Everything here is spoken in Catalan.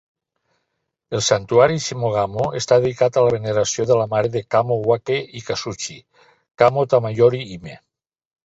El santuari Shimogamo està dedicat a la veneració de la mare de Kamo Wake-ikazuchi, Kamo Tamayori-hime.